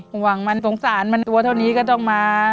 ห่วงมันสงสารมันตัวเท่านี้ก็ต้องมา